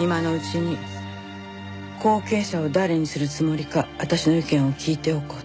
今のうちに後継者を誰にするつもりか私の意見を聞いておこうと。